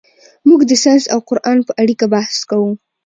موږ د ساینس او قرآن په اړیکه بحث کوو.